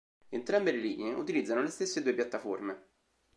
Entrambe le linee utilizzano le stesse due piattaforme.